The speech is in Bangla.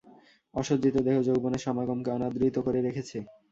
অসজ্জিত দেহ যৌবনের সমাগমকে অনাদৃত করে রেখেছে।